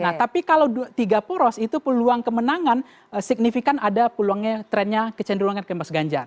nah tapi kalau tiga poros itu peluang kemenangan signifikan ada peluangnya trendnya kecenderungan ke mas ganjar